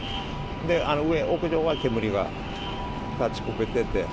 上、屋上は煙が立ちこめてて。